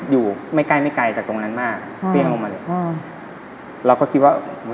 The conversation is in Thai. อยู่ไม่ใกล้ไม่ไกลจากตรงนั้นมากเปรี้ยงลงมาเลยอืมเราก็คิดว่า